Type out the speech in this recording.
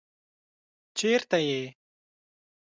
چېرته يې؟